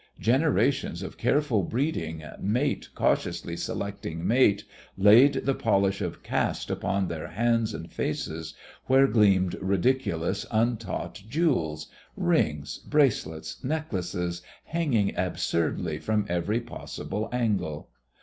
Generations of careful breeding, mate cautiously selecting mate, laid the polish of caste upon their hands and faces where gleamed ridiculous, untaught jewels rings, bracelets, necklaces hanging absurdly from every possible angle.